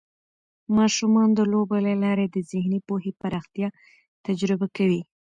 ماشومان د لوبو له لارې د ذهني پوهې پراختیا تجربه کوي.